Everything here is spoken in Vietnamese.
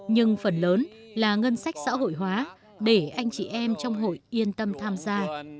nhưng phần lớn là ngân sách xã hội hóa để anh chị em trong hội yên tâm tham gia